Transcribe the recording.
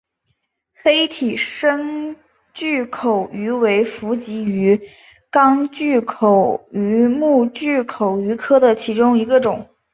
黑体深巨口鱼为辐鳍鱼纲巨口鱼目巨口鱼科的其中一种。